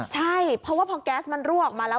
ใช่เพราะว่าพอแก๊สมันรั่วออกมาแล้ว